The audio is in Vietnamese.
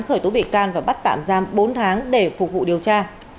khởi tố bị can và bắt tạm giam bốn tháng để phục vụ điều tra